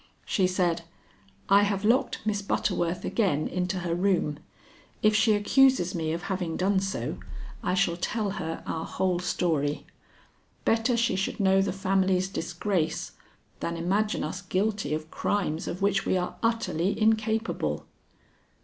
She said: 'I have locked Miss Butterworth again into her room. If she accuses me of having done so, I shall tell her our whole story. Better she should know the family's disgrace than imagine us guilty of crimes of which we are utterly incapable.'"